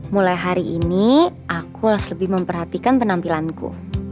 mulai hari ini aku harus lebih memperhatikan penampilanku